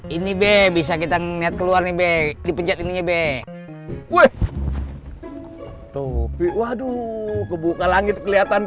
ini be bisa kita lihat keluar nih bek di pencet ini bek woi topik waduh kebuka langit kelihatan